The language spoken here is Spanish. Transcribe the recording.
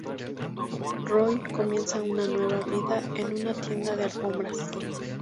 Roy comienza una nueva vida en una tienda de alfombras.